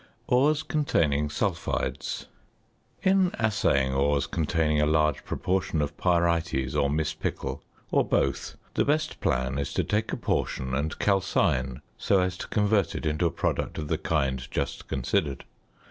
~Ores containing Sulphides.~ In assaying ores containing a large proportion of pyrites or mispickel, or both, the best plan is to take a portion and calcine so as to convert it into a product of the kind just considered.